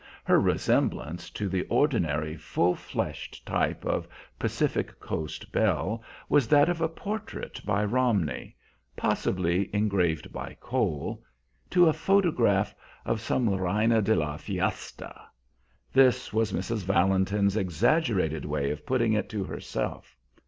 Her resemblance to the ordinary full fleshed type of Pacific coast belle was that of a portrait by Romney possibly engraved by Cole to a photograph of some reina de la fiesta. This was Mrs. Valentin's exaggerated way of putting it to herself.